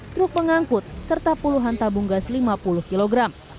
truk pengangkut serta puluhan tabung gas lima puluh kg